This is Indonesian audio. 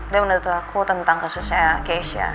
dia menurut aku tentang kasusnya keisha